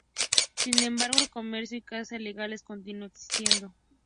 Sin embargo el comercio y caza ilegales continua existiendo.